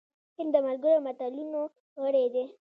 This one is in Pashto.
هند د ملګرو ملتونو غړی دی.